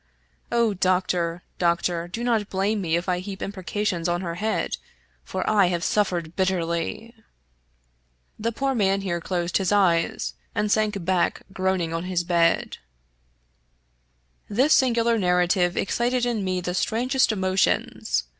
O Doctor, Doctor! do not blame me if I heap imprecations on her head, for I have suffered bitterly !" The poor man here closed his eyes and sank back groaning on his bed. This singular narrative excited in me the strangest emo tions.